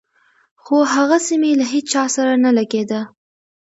خو هغسې مې له هېچا سره نه لګېده.